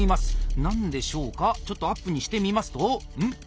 ちょっとアップにしてみますとん？